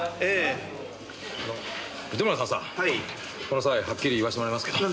この際はっきり言わせてもらいますけど。